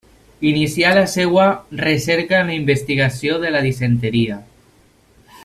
Inicià la seva recerca en la investigació de la disenteria.